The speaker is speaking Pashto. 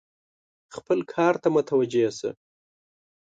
خپل کار ته متوجه شه !